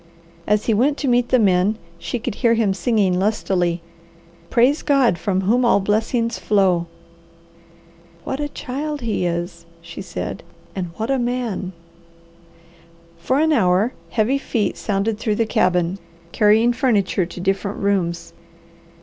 As he went to meet the men, she could hear him singing lustily, "Praise God from whom all blessings flow." "What a child he is!" she said. "And what a man!" For an hour heavy feet sounded through the cabin carrying furniture to different rooms.